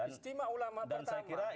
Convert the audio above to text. istimewa ulama pertama